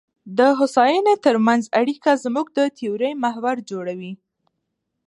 د هوساینې ترمنځ اړیکه زموږ د تیورۍ محور جوړوي.